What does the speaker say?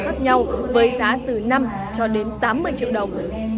khác nhau với giá từ năm cho đến tám mươi triệu đồng